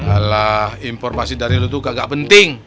alah informasi dari lu tuh nggak penting